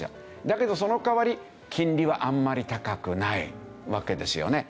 だけどその代わり金利はあんまり高くないわけですよね。